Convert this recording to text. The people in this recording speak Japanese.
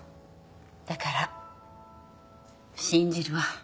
だから信じるわ。